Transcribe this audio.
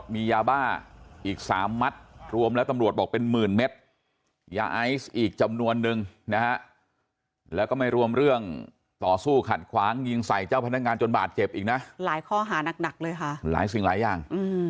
มียาบ้าอีกสามมัดรวมแล้วตำรวจบอกเป็นหมื่นเมตรยาไอซ์อีกจำนวนนึงนะฮะแล้วก็ไม่รวมเรื่องต่อสู้ขัดขวางยิงใส่เจ้าพนักงานจนบาดเจ็บอีกนะหลายข้อหานักเลยค่ะหลายสิ่งหลายอย่าง